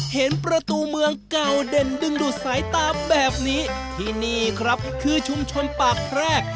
เห็นประตูเมืองเก่าเด่นดึงดูดสายตาแบบนี้ที่นี่ครับคือชุมชนปากแพรก